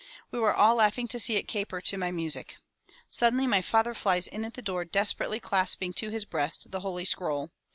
We were all laughing to see it caper to my music. Suddenly my father flies in at the door, desperately clasping to his breast the Holy Scroll.